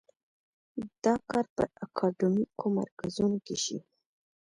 دا کار په اکاډیمیکو مرکزونو کې شي.